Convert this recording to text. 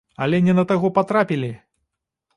Але не на таго патрапілі!